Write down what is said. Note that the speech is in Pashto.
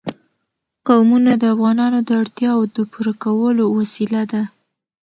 قومونه د افغانانو د اړتیاوو د پوره کولو وسیله ده.